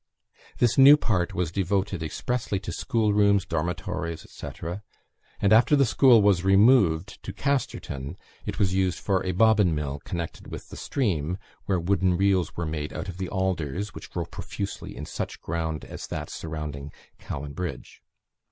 This new part was devoted expressly to schoolrooms, dormitories, &c. and after the school was removed to Casterton, it was used for a bobbin mill connected with the stream, where wooden reels were made out of the alders, which grow profusely in such ground as that surrounding Cowan Bridge.